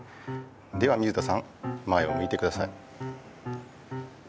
では水田さん前をむいてください。